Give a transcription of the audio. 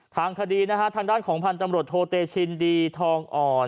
ทางคดีนะฮะทางด้านของพันธุ์ตำรวจโทเตชินดีทองอ่อน